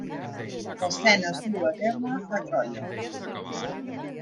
L’escena es duu a terme a Troia.